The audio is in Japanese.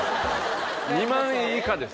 ２万位以下です。